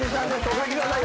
おかけください。